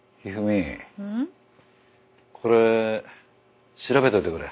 これ調べといてくれ。